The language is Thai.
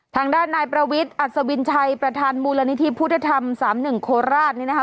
ทางด้านนายประวิทย์อัศวินชัยประธานมูลนิธิพุทธธรรม๓๑โคราชนี่นะคะ